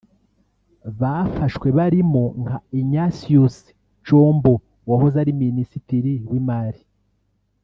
bafashwe barimo nka Ignatius Chombo wahoze ari Minisitiri w’Imari